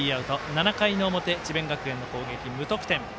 ７回の表、智弁学園の攻撃無得点。